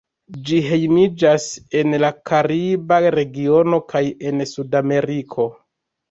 Ĝi hejmiĝas en la kariba regiono kaj en Sudameriko.